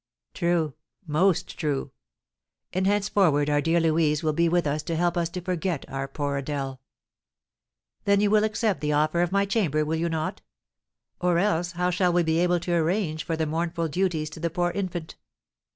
"True, most true! And henceforward our dear Louise will be with us to help us to forget our poor Adèle." "Then you will accept the offer of my chamber, will you not? Or else how shall we be able to arrange for the mournful duties to the poor infant?